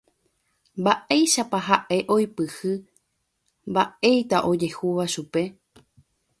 mba'éichapa ha'e oipyhy mba'eita ojehúva chupe